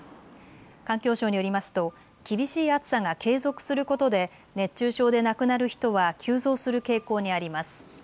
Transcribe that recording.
環境省によりますと厳しい暑さが継続することで熱中症で亡くなる人は急増する傾向にあります。